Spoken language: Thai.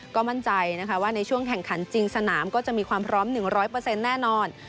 ก็มั่นใจนะคะว่าในช่วงแข่งขันจริงสนามก็จะมีความพร้อม๑๐๐แน่นอน